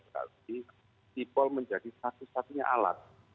berarti sipol menjadi satu satunya alat